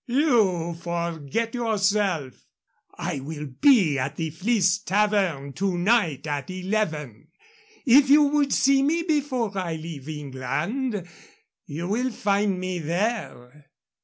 "You forget yourself. I will be at the Fleece Tavern to night at eleven. If you would see me before I leave England, you will find me there.